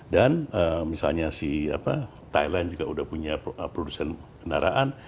dan misalnya thailand juga udah punya produsen kendaraan